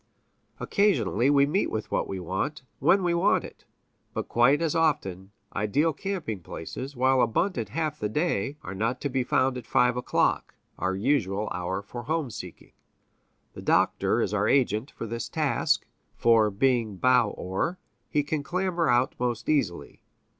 Occasionally we meet with what we want, when we want it; but quite as often, ideal camping places, while abundant half the day, are not to be found at five o'clock, our usual hour for homeseeking. The Doctor is our agent for this task, for, being bow oar, he can clamber out most easily.